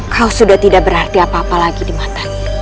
kau sudah tidak berarti apa apa lagi di mata